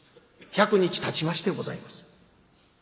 １００日たちましてございます」。